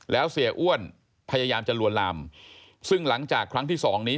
แล้วเสียอ้วนพยายามจะลวนลามซึ่งหลังจากครั้งที่สองนี้